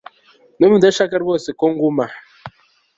Ndumva udashaka rwose ko nguma